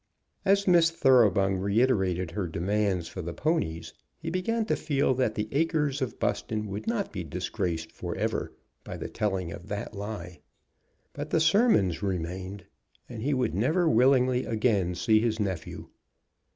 As Miss Thoroughbung reiterated her demands for the ponies, he began to feel that the acres of Buston would not be disgraced forever by the telling of that lie. But the sermons remained, and he would never willingly again see his nephew.